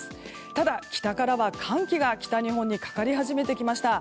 ただ、北からは寒気が北日本にかかり始めてきました。